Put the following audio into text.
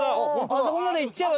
あそこまで行っちゃえば。